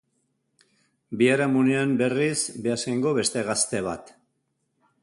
Biharamunean, berriz, Beasaingo beste gazte bat.